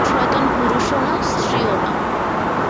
শয়তান পুরুষও না স্ত্রীও না!